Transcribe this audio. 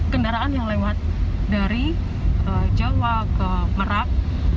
kendaraan yang lewat dari jawa ke merak